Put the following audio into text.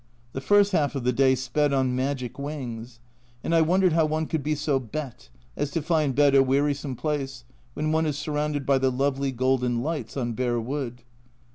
The first half of the day sped on magic wings, and I wondered how one could be so bete as to find bed a wearisome place when one is surrounded by the lovely golden lights on bare wood.